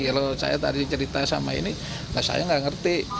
kalau saya tadi cerita sama ini saya nggak ngerti